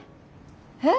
えっ。